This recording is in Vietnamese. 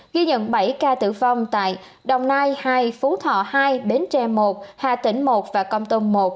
ghi nhận bảy ca tử vong tại đồng nai hai phú thọ hai bến tre một hà tĩnh một và con tông một